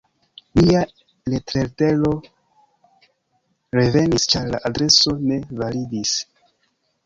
Mia retletero revenis, ĉar la adreso ne validis.